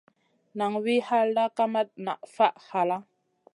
Naŋ wi halda, kamat nan faʼ halla.